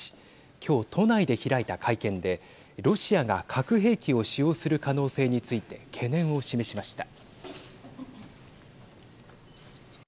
今日、都内で開いた会見でロシアが核兵器を使用する可能性について懸念を示しました。